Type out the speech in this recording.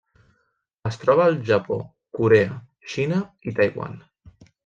Es troba al Japó, Corea, Xina i Taiwan.